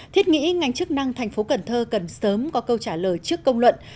thiết nghĩ ngành chức năng thành phố cần thơ cần sớm có câu trả lời trước công luận